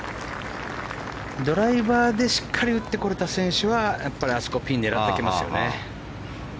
ドライバーでしっかり打ってこれた選手はあそこでピンを狙ってこれますよね。